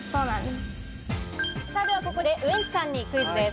では、ここでウエンツさんにクイズです。